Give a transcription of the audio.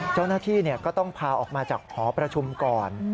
เจ้าหน้าที่ก็ต้องพาออกมาจากหอประชุมก่อน